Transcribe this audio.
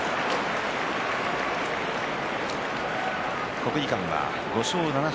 国技館は５勝７敗